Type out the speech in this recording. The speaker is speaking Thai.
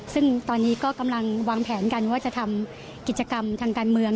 ซึ่งตอนนี้ก็กำลังวางแผนกันว่าจะทำกิจกรรมทางการเมือง